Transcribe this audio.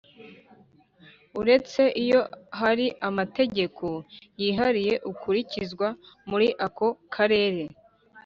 uretse iyo hari amategeko yihariye akurikizwa muri ako karere